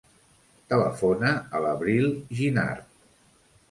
Telefona a l'Avril Ginard.